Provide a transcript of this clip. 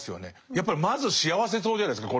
やっぱりまず幸せそうじゃないですか